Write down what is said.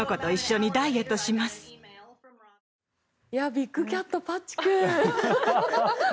ビッグキャットパッチ君。